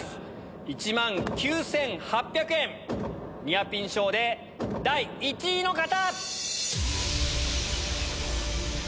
１万９８００円ニアピン賞で第１位の方！